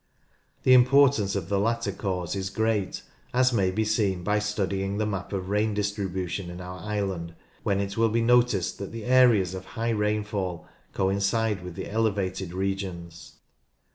The importance of the latter cause is great, as may be seen by studying the map of rain distribution in our island, when it will be noticed that the areas of high rainfall coincide with the elevated regions.